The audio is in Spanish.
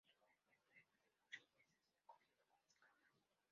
El cuerpo externo de muchos peces está cubierto con escamas.